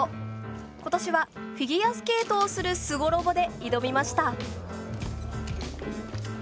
今年はフィギュアスケートをするすごロボで挑みました。